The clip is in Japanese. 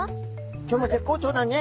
今日も絶好調だね。